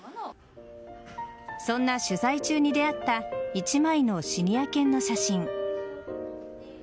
そんな取材中に出会った１枚のシニア犬の写真。